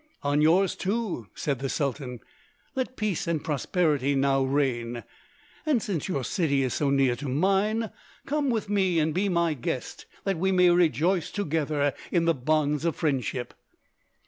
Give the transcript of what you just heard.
"On yours too," said the Sultan, "let peace and prosperity now reign! And since your city is so near to mine, come with me and be my guest that we may rejoice together in the bonds of friendship."